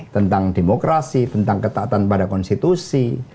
tentang demokrasi tentang ketaatan pada konstitusi